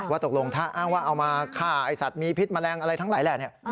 ตกลงถ้าอ้างว่าเอามาฆ่าไอ้สัตว์มีพิษแมลงอะไรทั้งหลายแหละ